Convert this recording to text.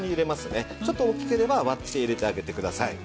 ちょっと大きければ割って入れてあげてください。